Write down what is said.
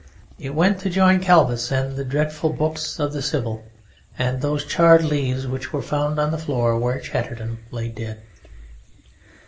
It went to join Calvus and the dreadful books of the Sibyl, and those charred leaves which were found on the floor where Chatterton lay dead.